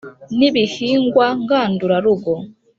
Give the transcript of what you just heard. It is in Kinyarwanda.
ni ibihingwa ngandura rugo